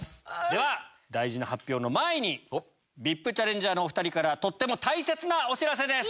では大事な発表の前にＶＩＰチャレンジャーのお２人からとっても大切なお知らせです。